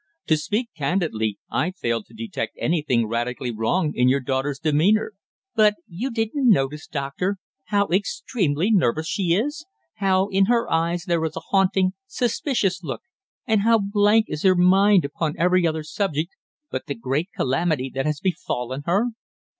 "To speak candidly I failed to detect anything radically wrong in your daughter's demeanour." "But didn't you notice, doctor, how extremely nervous she is; how in her eyes there is a haunting, suspicious look, and how blank is her mind upon every other subject but the great calamity that has befallen her?"